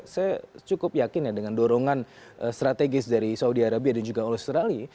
saya cukup yakin ya dengan dorongan strategis dari saudi arabia dan juga australia